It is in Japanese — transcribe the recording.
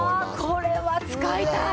これは使いたい！